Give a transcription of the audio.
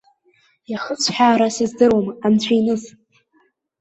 Иахысҳәаара сыздыруам, анцәиныс.